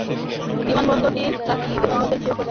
বিমানবন্দরটি রাঁচি বিমানবন্দর হিসাবেও পরিচিত।